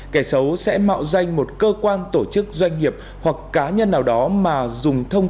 kẻ xấu sẽ mạo danh một cơ quan tổ chức doanh nghiệp hoặc cá nhân nào đó mà dùng thông